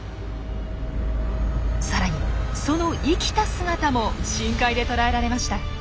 さらにその生きた姿も深海で捉えられました。